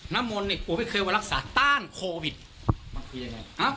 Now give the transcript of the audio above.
น้ำมนเนี่ยปูไม่เคยมารักษาต้านโควิดบางทียังไงอ่า